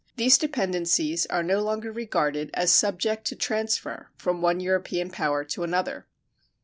These dependencies are no longer regarded as subject to transfer from one European power to another.